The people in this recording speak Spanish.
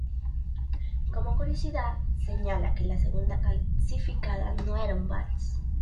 Como curiosidad, señalar que la segunda clasificada no era un vals.